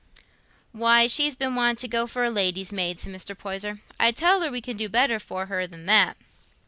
"Why, she's been wanting to go for a lady's maid," said Mr. Poyser. "I tell her we can do better for her nor that."